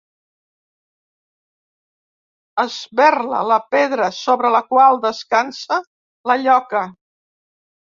Esberla la pedra sobre la qual descansa la lloca.